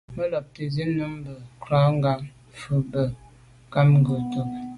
Mə́ làptə̀ zín bú nùúm mə́ krwàá’ mɛ̂n ngà fa’ bú gə̀ mə́ krwàá’ mɛ̂n ngà ndɔ́ gí.